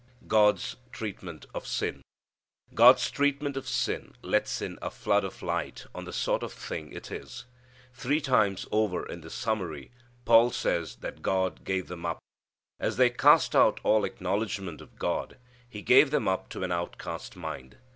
God's Treatment of Sin. God's treatment of sin lets in a flood of light on the sort of thing it is. Three times over in this summary Paul says that God "gave them up." As they cast out all acknowledgment of God, He gave them up to an outcast mind.